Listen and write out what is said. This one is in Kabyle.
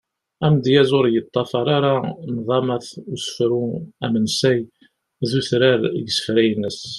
Amedyaz ur yeṭṭafar ara nḍamat n usefru amensay d utrar deg isefra-nsen.